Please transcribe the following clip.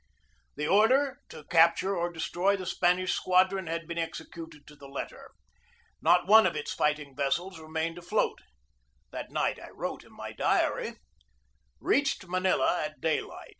The order to capture or destroy the Spanish squadron had been executed to the letter. Not one of its fighting vessels remained afloat. That night I wrote in my diary: "Reached Manila at daylight.